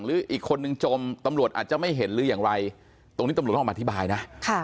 หรืออีกคนนึงจมตำรวจอาจจะไม่เห็นหรืออย่างไรตรงนี้ตำรวจต้องอธิบายนะ